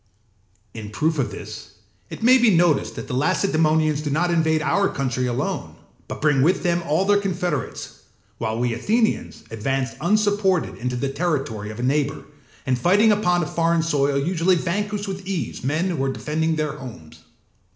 In proof of this it may be noticed that the Lacedaemonians do not invade our country alone, but bring with them all their confederates; while we Athenians advance unsupported into the territory of a neighbour, and fighting upon a foreign soil usually vanquish with ease men who are defending their homes.